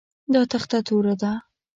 دا تخته توره ده